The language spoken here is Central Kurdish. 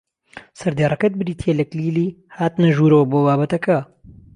سەردێڕەکەت بریتییە لە کلیلی هاتنە ژوورەوە بۆ بابەتەکە